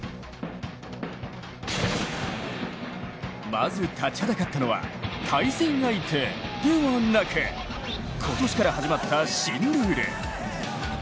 まず、立ちはだかったのは対戦相手ではなく今年から始まった新ルール。